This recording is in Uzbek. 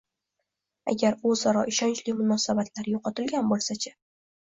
Agar o‘zaro ishonchli munosabatlar yo‘qotilgan bo‘lsachi